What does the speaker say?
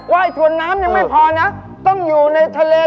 ว่ายถวนน้ำยังไม่พอนะ